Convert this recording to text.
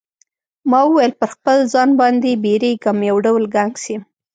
ما وویل پر خپل ځان باندی بیریږم یو ډول ګنګس یم.